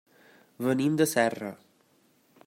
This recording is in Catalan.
Venim de Serra.